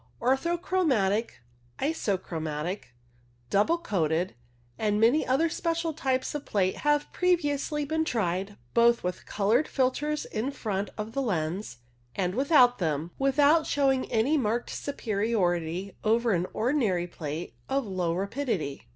Orthochromatic, isochromatic, double coated, and many other special types of plate had previously been tried, both with coloured filters in front of the lens and without them, without showing any marked superiority over an ordinary plate of low rapidity.